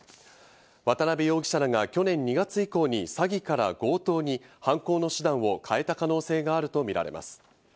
渡辺容疑者らが去年２月以降に詐欺から強盗に犯行の手段を変えた可能性があるとみられます。